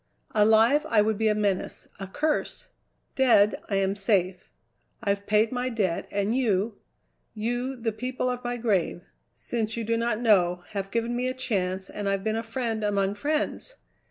Alive, I would be a menace, a curse. Dead, I am safe. I've paid my debt, and you, you, the people of my grave, since you do not know, have given me a chance, and I've been a friend among friends!